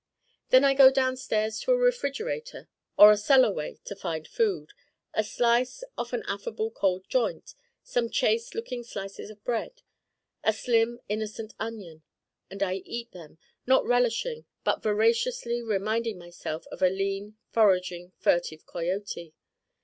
Then I go downstairs to a refrigerator or a cellar way to find food a slice off an affable cold joint, some chaste looking slices of bread, a slim innocent onion. And I eat them, not relishingly but voraciously, reminding myself of a lean foraging furtive coyote.